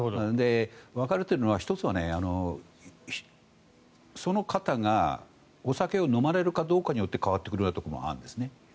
分かれているのは１つはその方がお酒を飲まれるかどうかによって変わってくることもあるんですね。